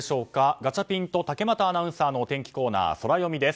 ガチャピンと竹俣アナウンサーのお天気コーナー、ソラよみです。